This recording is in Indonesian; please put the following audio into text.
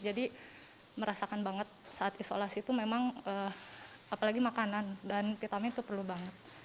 jadi merasakan banget saat isolasi itu memang apalagi makanan dan vitamin itu perlu banget